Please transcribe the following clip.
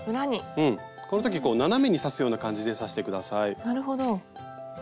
この時斜めに刺すような感じで刺して下さい。